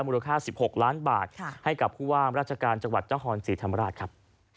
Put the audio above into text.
มูลค่า๑๖ล้านบาทให้กับผู้ว่ามราชการจังหวัดนครศรีธรรมราชครับ